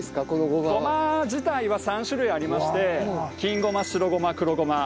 ごま自体は３種類ありまして金ごま白ごま黒ごま。